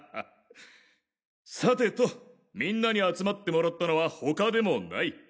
さてとみんなに集まってもらったのは他でもない。